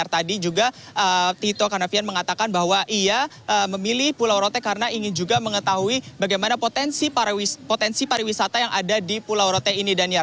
dan tadi juga tito karnavian mengatakan bahwa ia memilih pulau rote karena ingin juga mengetahui bagaimana potensi pariwisata yang ada di pulau rote ini dania